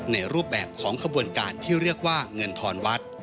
ในรูปแบบของขบวนการที่เรียกว่าเงินทอนวัด